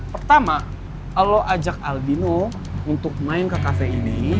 pertama lo ajak albino untuk main ke cafe ini